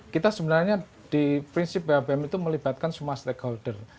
kita sebenarnya di prinsip babm itu melibatkan semua stakeholder